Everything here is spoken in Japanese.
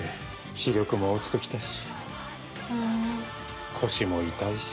視力も落ちてきたし腰も痛いし。